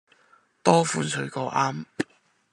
多款水果啱